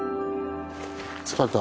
疲れた？